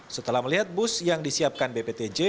setelah melihat bus yang disiapkan bptj